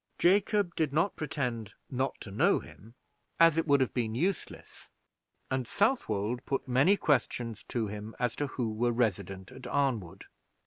Jacob did not pretend not to know him, as it would have been useless; and Southwold put many questions to him as to who were resident at Arnwood.